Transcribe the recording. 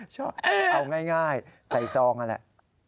เอาง่ายใส่ซองนั่นแหละ